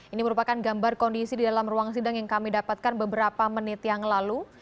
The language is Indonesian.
ini merupakan gambar kondisi di dalam ruang sidang yang kami dapatkan beberapa menit yang lalu